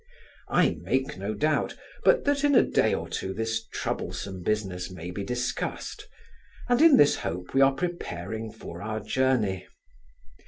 I make no doubt, but that in a day or two this troublesome business may be discussed; and in this hope we are preparing for our journey.